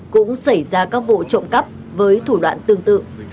cũng xảy ra các vụ trộm cắp với thủ đoạn tương tự